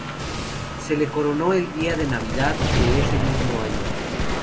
Se le coronó el día de Navidad de ese mismo año.